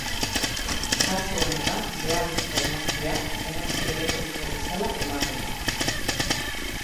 Kasu honetan beharrezko energia, energia elektriko bezala ematen da.